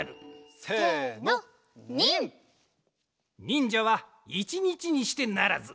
せのニン！にんじゃはいちにちにしてならず。